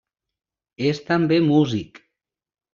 És també músic.